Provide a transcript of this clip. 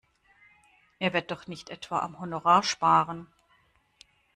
Er wird doch nicht etwa am Honorar sparen!